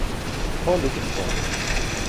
o lukin pona.